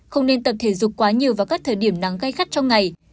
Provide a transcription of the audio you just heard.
không nên tập thể dục quá nhiều vào các thời điểm nắng gây gắt trong ngày